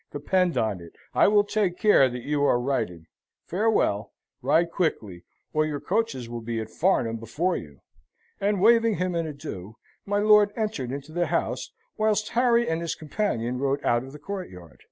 Depend on it, I will take care that you are righted. Farewell. Ride quickly, or your coaches will be at Farnham before you;" and waving him an adieu, my lord entered into the house, whilst Harry and his companion rode out of the courtyard.